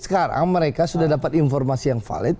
sekarang mereka sudah dapat informasi yang valid